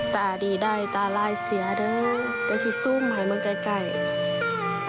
ตาดีได้ตาลายเสียเด้อก็คือสู้ใหม่มาไกล